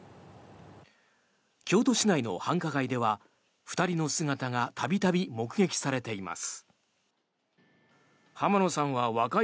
京都市内の繁華街では２人の姿が度々目撃されています。